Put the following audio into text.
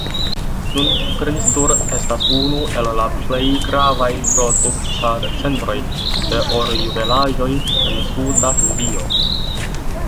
Nun Trissur estas unu el la plej gravaj produktadcentroj de orjuvelaĵoj en Suda Hindio.